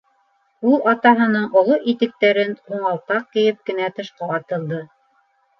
Ул атаһының оло итектәрен ҡуңалтаҡ кейеп кенә тышҡа атылды.